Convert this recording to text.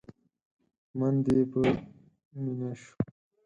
من دې په مينا شو؟!